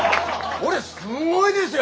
これすごいですよ！